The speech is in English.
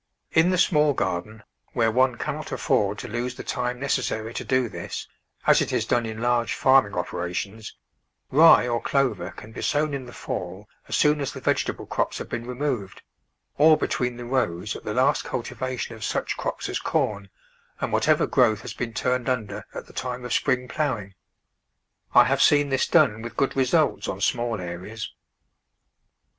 In the small garden, where one cannot afford to lose the time necessary to do this, as it is done in large farming operations, rye or clover can be sown in the fall as soon as the vegetable crops have been removed, or between the rows at the last cultivation of such crops as corn, and what ever growth has been turned under at the time of sj)ring ploughing. I have seen this done with good results on small areas.